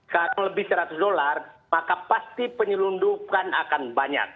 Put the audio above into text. karena lebih rp seratus maka pasti penyelundupan akan banyak